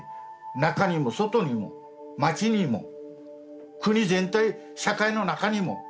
中にも外にも町にも国全体社会の中にも。